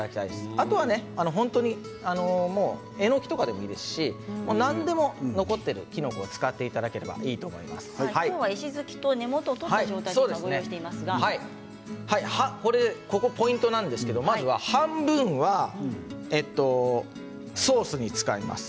あとは本当にえのきでもいいですし何でも残っているきのこを使っていただければいいと今日は石突きと根元をポイントなんですが半分はソースに使います。